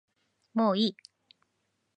もういい